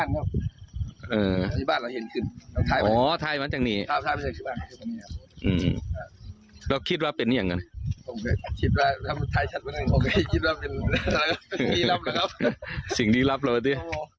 แล้วคิดว่าเป็นยังไง